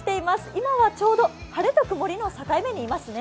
今はちょうど晴れと曇りの境目にいますね。